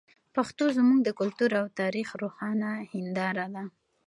پښتو زموږ د کلتور او تاریخ روښانه هنداره ده.